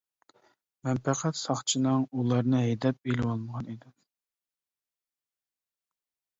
مەن پەقەت ساقچىنىڭ ئۇلارنى ھەيدەپ ئېلىۋالمىغان ئىدىم.